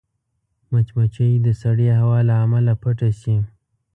مچمچۍ د سړې هوا له امله پټه شي